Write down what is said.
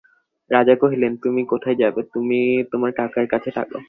রাজা কহিলেন, তুমি কোথায় যাবে, তুমি তোমার কাকার কাছে থাকো।